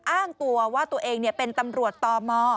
อ้างตัวว่าตัวเองเป็นตำรวจตม